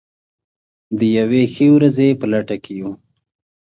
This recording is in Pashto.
د یوې ښې ورځې په لټه کې یو.